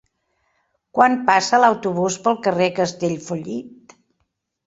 Quan passa l'autobús pel carrer Castellfollit?